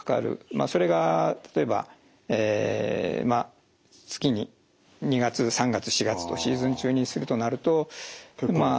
それが例えばえ月に２月３月４月とシーズン中にするとなるとまあ